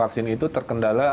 vaksin itu terkendala